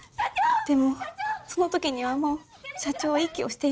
でもその時にはもう社長は息をしていませんでした。